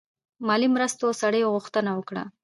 مالي مرستو او سړیو غوښتنه وکړه.